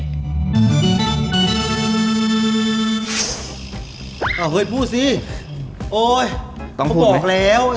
อ้าวเฮ้ยพูดสิโอ้ยต้องพูดไหมผมบอกแล้วสวัสดี